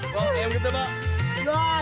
masih kurang zusammen